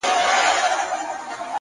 هره هڅه د راتلونکي لپاره پیغام دی’